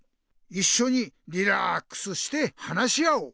いっしょにリラックスして話し合おう。